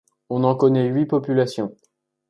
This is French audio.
On en connaît huit populations.